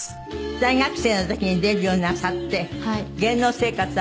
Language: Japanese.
大学生の時にデビューなさって芸能生活はもう４２年に。